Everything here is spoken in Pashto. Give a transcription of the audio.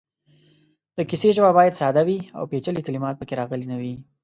د کیسې ژبه باید ساده وي او پېچلې کلمات پکې راغلې نه وي.